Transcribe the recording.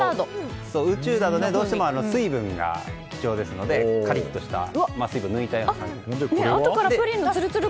宇宙だとどうしても水分が貴重ですのでカリッとした水分を抜いた感じになっています。